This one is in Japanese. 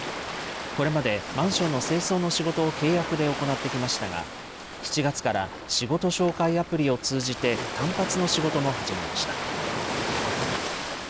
これまでマンションの清掃の仕事を契約で行ってきましたが、７月から仕事紹介アプリを通じて単発の仕事も始めました。